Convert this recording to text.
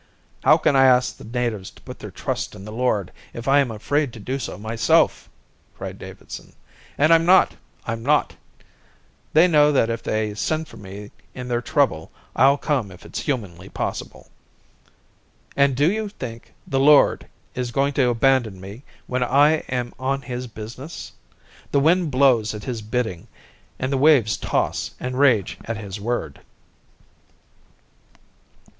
"How can I ask the natives to put their trust in the Lord if I am afraid to do so myself?" cried Davidson. "And I'm not, I'm not. They know that if they send for me in their trouble I'll come if it's humanly possible. And do you think the Lord is going to abandon me when I am on his business? The wind blows at his bidding and the waves toss and rage at his word."